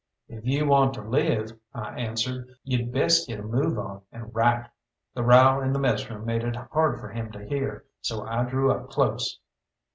"If you want to live," I answered, "you'd best get a move on, and write." The row in the messroom made it hard for him to hear, so I drew up close.